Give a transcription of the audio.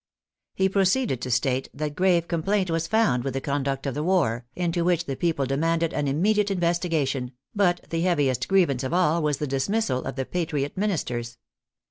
He proceeded to state that grave complaint was found with the con duct of the war, into which the people demanded an im mediate investigation, but the heaviest grievance of all was the dismissal of the patriot Ministers.